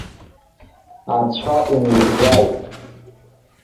Анцәа унеигӡааит!